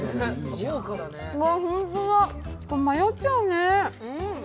これ迷っちゃうね。